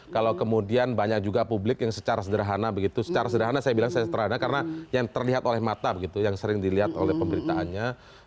kalau kemudian banyak juga publik yang secara sederhana karena yang terlihat oleh mata yang sering dilihat oleh pemberitaannya